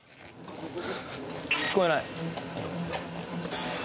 聞こえない。